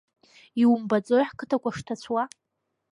Иумбаӡои ҳқыҭақәа шҭацәуа.